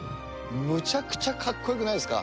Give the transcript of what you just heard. むちゃくちゃかっこよくないですか。